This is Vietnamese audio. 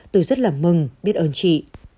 tôi rất là mừng biết ơn chị